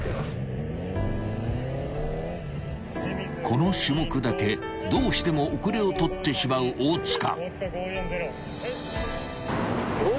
［この種目だけどうしても後れを取ってしまう大塚］